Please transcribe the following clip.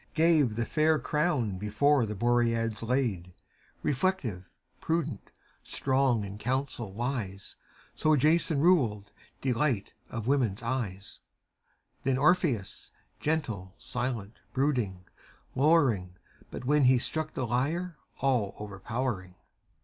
Gave the fair crown before the Boreads laid: Reflective, prudent, strong, in council wise. So Jason ruled, delight of women's eyes: Then Orpheus, gentle, silent, brooding, lowering, But when he struck the lyre, all overpowering.